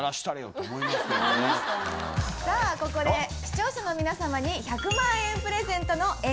さあここで視聴者の皆さまに１００万円プレゼントのＥＮＧＥＩ